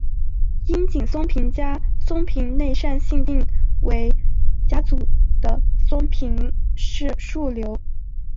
樱井松平家松平内膳信定为家祖的松平氏庶流。